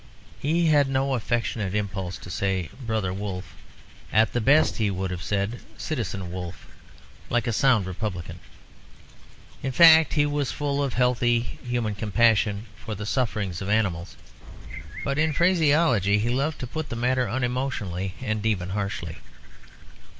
He had no affectionate impulse to say "Brother Wolf"; at the best he would have said "Citizen Wolf," like a sound republican. In fact, he was full of healthy human compassion for the sufferings of animals; but in phraseology he loved to put the matter unemotionally and even harshly.